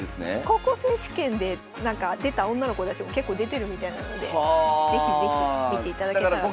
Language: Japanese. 高校選手権で出た女の子たちも結構出てるみたいなので是非是非見ていただけたらと。